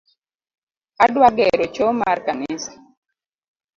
Adwa gero choo mar kanisa